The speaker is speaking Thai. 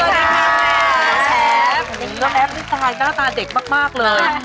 แล้วแอฟนี่ทันตาเด็กมากเลย